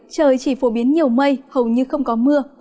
trời chỉ phổ biến nhiều mây hầu như không có mưa